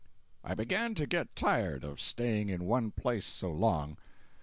I began to get tired of staying in one place so long.